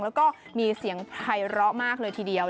แล้วก็มีเสียงไพร้อมากเลยทีเดียว